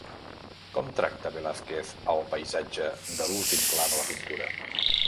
Com tracta Velázquez el paisatge de l'últim pla de la pintura?